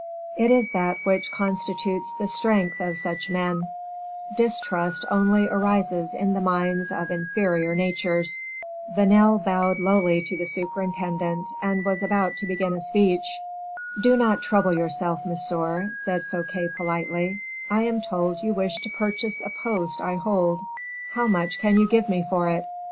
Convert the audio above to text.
It is that which constitutes the strength of such men; distrust only arises in the minds of inferior natures. Vanel bowed lowly to the superintendent, and was about to begin a speech. "Do not trouble yourself, monsieur," said Fouquet, politely; "I am told you wish to purchase a post I hold. How much can you give me for it?"